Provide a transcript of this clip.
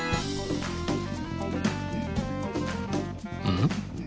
うん？